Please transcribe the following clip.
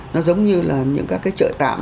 nó giống như là những cái chợ tạm